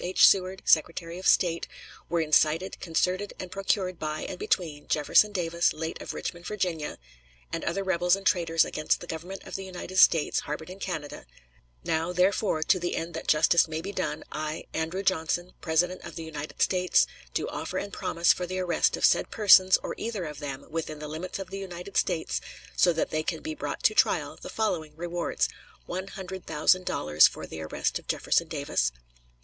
H. Seward, Secretary of State, were incited, concerted, and procured by and between Jefferson Davis, late of Richmond, Va., ... and other rebels and traitors against the Government of the United States, harbored in Canada; Now, therefore, to the end that justice may be done, I, Andrew Johnson, President of the United States, do offer and promise for the arrest of said persons or either of them, within the limits of the United States, so that they can be brought to trial, the following rewards: One hundred thousand dollars for the arrest of Jefferson Davis